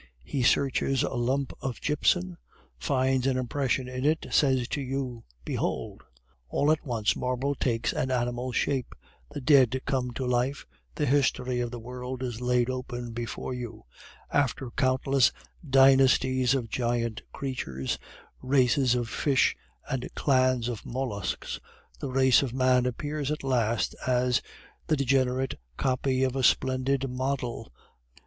He searches a lump of gypsum, finds an impression in it, says to you, "Behold!" All at once marble takes an animal shape, the dead come to life, the history of the world is laid open before you. After countless dynasties of giant creatures, races of fish and clans of mollusks, the race of man appears at last as the degenerate copy of a splendid model, which the Creator has perchance destroyed.